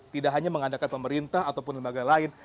tidak hanya mengandalkan pemerintah ataupun lembaga lain